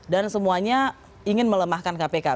dan semuanya ingin melemahkan kpk